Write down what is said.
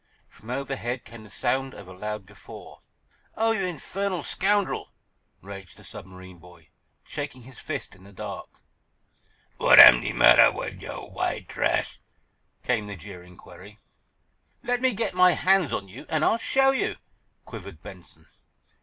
From overhead came the sound of a loud guffaw. "Oh, you infernal scoundrel!" raged the submarine boy, shaking his fist in the dark. "W'at am de matter wid yo', w'ite trash?" came the jeering query. "Let me get my hands on you, and I'll show you!" quivered Benson.